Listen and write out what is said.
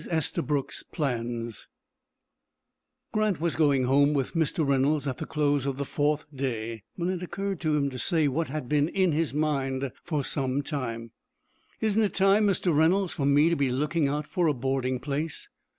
ESTABROOK'S PLANS Grant was going home with Mr. Reynolds at the close of the fourth day, when it occurred to him to say what had been in his mind for some time: "Isn't it time, Mr. Reynolds, for me to be looking out for a boarding place?"